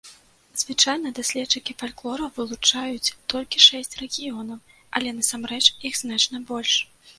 Звычайна, даследчыкі фальклору вылучаюць толькі шэсць рэгіёнаў, але насамрэч іх значна больш.